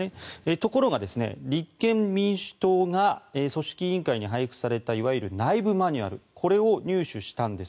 ところが、立憲民主党が組織委員会に配布されたいわゆる内部マニュアルこれを入手したんです。